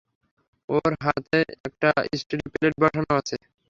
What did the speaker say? ওর হাতে একটা স্টিলের প্লেট বসানো আছে।